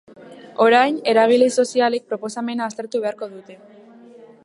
Orain, eragile sozialek proposamena aztertu beharko dute.